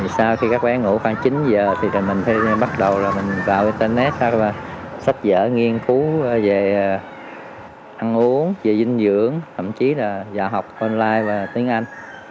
sau khi các bé ngủ khoảng chín h thì mình bắt đầu là mình vào internet và sách dở nghiên cứu về ăn uống về dinh dưỡng thậm chí là vào học online và tiếng anh